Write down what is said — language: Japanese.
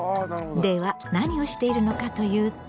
では何をしているのかというと。